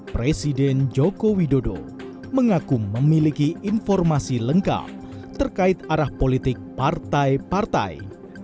presiden joko widodo mengaku memiliki informasi lengkap terkait arah politik partai partai